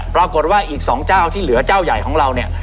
ปรากฏว่าอีก๒เจ้าที่เหลือเจ้าใหญ่ของเราเนี่ย